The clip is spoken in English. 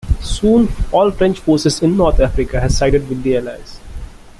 Soon all French forces in North Africa had sided with the Allies.